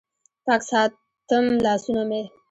پاک ساتم لاسونه مې